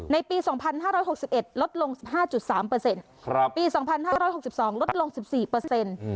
ในปี๒๕๖๑ลดลง๑๕๓ปี๒๕๖๒ลดลง๑๔